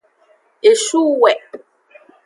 Eshuwe.